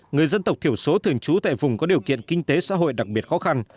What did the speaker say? người dân tộc thiểu số thường trú tại vùng có điều kiện kinh tế xã hội đặc biệt khó khăn